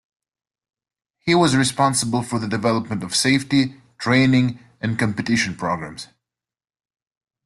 He was responsible for the development of safety, training and competition programs.